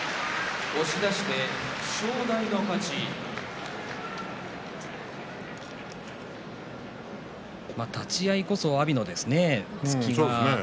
拍手立ち合いこそ阿炎の突きがですね。